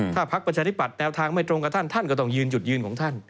ถ้าพักประชาธิบัตย์แนวทางไม่ตรงกับท่านท่านก็ต้องยืนจุดยืนของท่าน